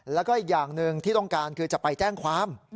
แล้วก็อีกอย่างหนึ่งที่ต้องการคือจะไปแจ้งความ